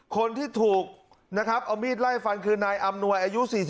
คนที่ถูกนะครับเอามีดไล่ฟันคือนายอำนวยอายุ๔๒